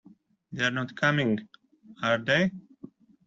They're not coming, are they?